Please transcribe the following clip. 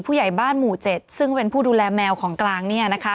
ผู้ใหญ่บ้านหมู่เจ็ดซึ่งเป็นผู้ดูแลแมวของกลางเนี่ยนะคะ